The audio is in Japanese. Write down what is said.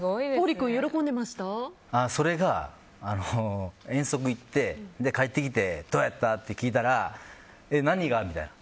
それが遠足に行って帰ってきてどうやった？って聞いたら何が？みたいな。